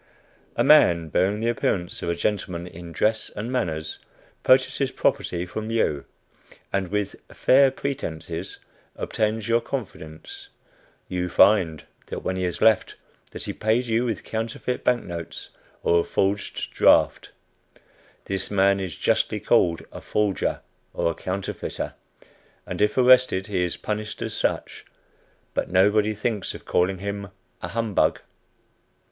A man, bearing the appearance of a gentleman in dress and manners, purchases property from you, and with "fair pretences" obtains your confidence. You find, when he has left, that he paid you with counterfeit bank notes, or a forged draft. This man is justly called a "forger," or "counterfeiter;" and if arrested, he is punished as such; but nobody thinks of calling him a "humbug."